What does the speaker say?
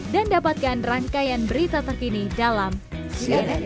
dan dapatkan rangkaian berita terkini dalam cnn indonesia